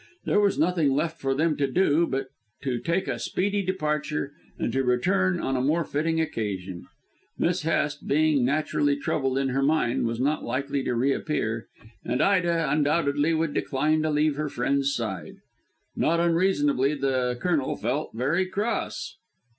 There was nothing left for them to do but to take a speedy departure and to return on a more fitting occasion. Miss Hest, being naturally troubled in her mind, was not likely to reappear, and Ida undoubtedly would decline to leave her friend's side. Not unreasonably, the Colonel felt very cross.